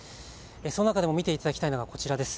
その中でも見ていただきたいのがこちらです。